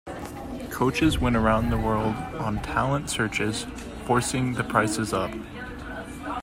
Coaches went around the world on talent searches, forcing the prices up.